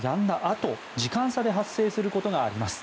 あと時間差で発生することがあります。